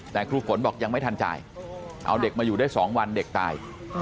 แต่ครูฝนบอกยังไม่ทันจ่ายเอาเด็กมาอยู่ได้๒วันเด็กตาย